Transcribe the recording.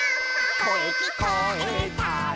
「こえきこえたら」